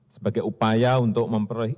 sebagai upaya untuk memperoleh